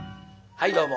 はいどうも。